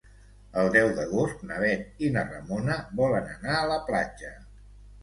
El deu d'agost na Bet i na Ramona volen anar a la platja.